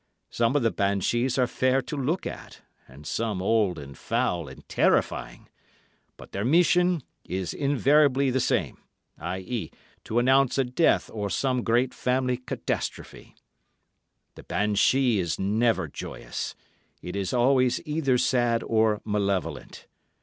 Some of the banshees are fair to look at, and some old, and foul, and terrifying; but their mission is invariably the same, i.e., to announce a death or some great family catastrophe. "The banshee is never joyous; it is always either sad or malevolent.